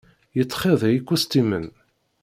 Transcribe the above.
Yettxiḍi ikustimen.